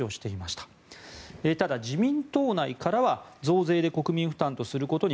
ただ自民党内からは増税で国民負担とすることに